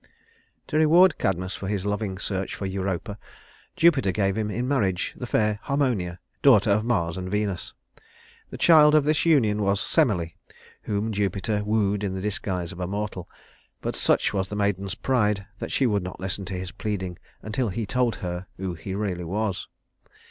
To reward Cadmus for his loving search for Europa, Jupiter gave him in marriage the fair Harmonia, daughter of Mars and Venus. The child of this union was Semele, whom Jupiter wooed in the disguise of a mortal; but such was the maiden's pride that she would not listen to his pleading until he told her who he really was.